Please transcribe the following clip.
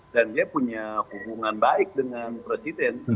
dan dia punya hubungan baik dengan presiden